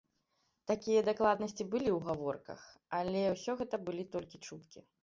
Такія дакладнасці былі ў гаворках, але ўсё гэта былі толькі чуткі.